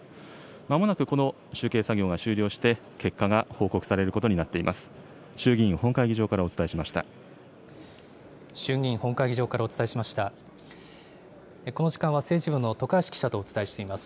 まもなくこの集計作業が終了して、結果が報告されることになっています。